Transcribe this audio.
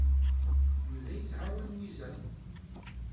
Yuba yettɛawan Lwiza.